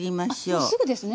あっすぐですね